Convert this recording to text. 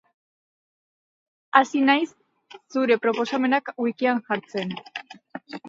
Hasi naiz zure proposamenak wikian jartzen.